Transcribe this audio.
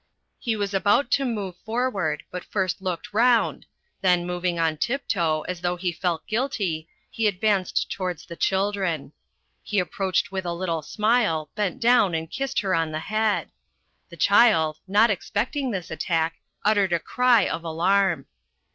He was about to move forward, but first looked round, then moving on tiptoe, as though he felt guilty, he advanced towards the children. He approached with a little smile, bent down and kissed her on the head. The child, not expecting this attack, uttered a cry of alarm.